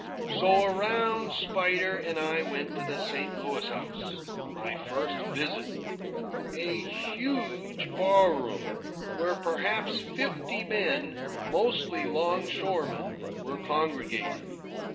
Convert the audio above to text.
So around Spider and I went to the St. Louis House my first visit a huge bar room, where perhaps fifty men, mostly longshoremen, were congregated.